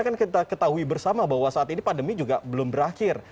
kan kita ketahui bersama bahwa saat ini pandemi juga belum berakhir